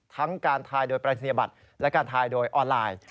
ทั้งการทายโดยปรายศนียบัตรและการทายโดยออนไลน์